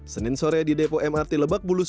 senin sore di depo mrt lebak bulus